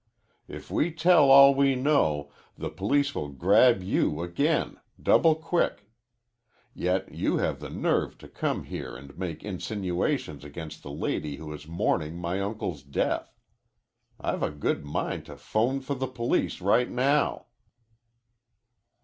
If we tell all we know, the police will grab you again double quick. Yet you have the nerve to come here and make insinuations against the lady who is mourning my uncle's death. I've a good mind to 'phone for the police right now."